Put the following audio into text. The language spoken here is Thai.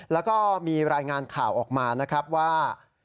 แล้วก็มีรายงานข่าวออกมานะครับว่า